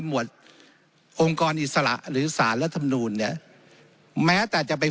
หวดองค์กรอิสระหรือสารรัฐมนูลเนี่ยแม้แต่จะไป